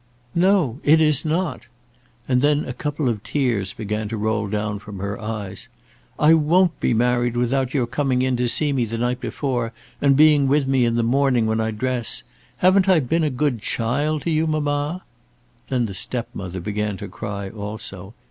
"No; it is not." And then a couple of tears began to roll down from her eyes. "I won't be married without your coming in to see me the night before, and being with me in the morning when I dress. Haven't I been a good child to you, mamma?" Then the step mother began to cry also.